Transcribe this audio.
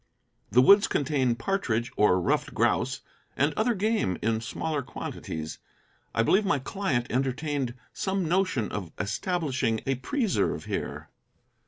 The woods contain partridge, or ruffed grouse, and other game in smaller quantities. I believe my client entertained some notion of establishing a preserve here.